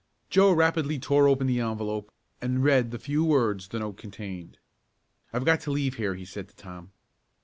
Joe rapidly tore open the envelope and read the few words the note contained. "I've got to leave here," he said to Tom.